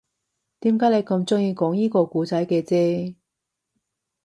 點解你咁鍾意講依個故仔嘅啫